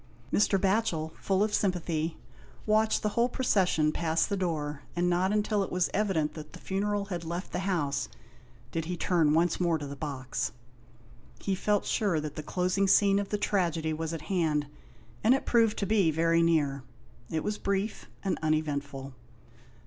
Mr. Batchel, full of sympathy, watched the whole procession pass the door, and not until it was evident that the funeral had left the house did he turn once more to the box. He felt sure that the closing scene of the tragedy was at hand, and it proved to be very near. It was brief and uneventful.